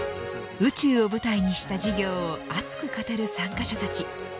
宇宙を舞台にした事業を熱く語る参加者たち。